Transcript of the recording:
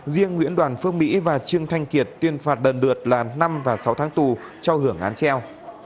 riêng nguyễn đoàn phương mỹ và trương thanh kiệt tuyên phạt đần đượt là năm và sáu tháng tù trao hưởng án treo